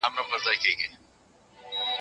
که نه څنګه دي زده کړې دا خبري